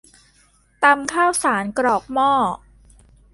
ตำข้าวสารกรอกหม้อ